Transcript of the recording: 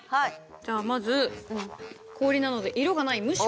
じゃあまず「氷」なので色がない「無色」。